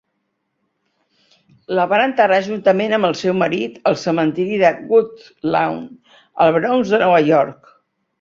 La van enterrar juntament amb el seu marit al cementiri de Woodlawn, al Bronx de Nova York.